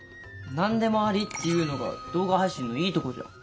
何でもありっていうのが動画配信のいいとこじゃん。